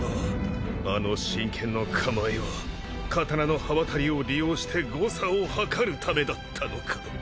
あの信剣の構えは刀の刃渡りを利用して誤差を測るためだったのか。